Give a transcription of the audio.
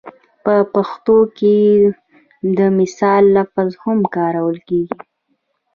په پښتو کې د مثال لفظ هم کارول کېږي